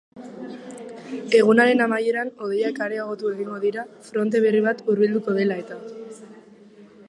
Egunaren amaieran hodeiak areagotu egingo dira, fronte berri bat hurbilduko dela eta.